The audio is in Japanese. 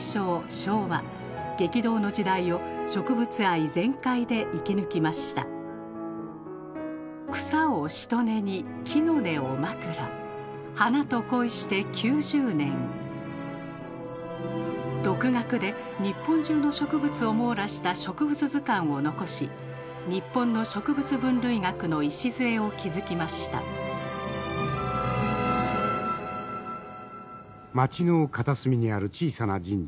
昭和激動の時代を植物愛全開で生き抜きました独学で日本中の植物を網羅した植物図鑑を残し日本の植物分類学の礎を築きました町の片隅にある小さな神社。